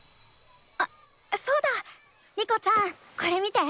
あそうだ。リコちゃんこれ見て。